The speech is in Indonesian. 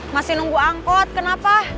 masih nunggu angkot kenapa